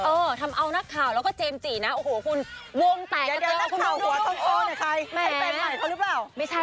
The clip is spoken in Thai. เออทำเอานักข่าวแล้วก็เจมส์จีนะโอ้โหคุณวงแตกกับเจ้า